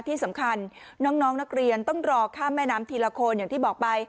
ที่สำคัญน้องนักเรียนต้องรอข้ามแม่น้ำทีละคนอย่างที่บอกไป